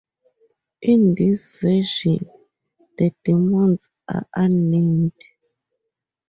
In this version, the demons are unnamed.